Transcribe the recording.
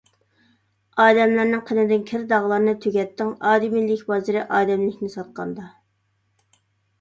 ئادەملەرنىڭ قېنىدىن كىر-داغلارنى تۈگەتتىڭ، ئادىمىيلىك بازىرى ئادەملىكنى ساتقاندا.